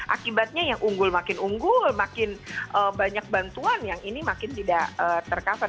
akibatnya yang unggul makin unggul makin banyak bantuan yang ini makin tidak tercover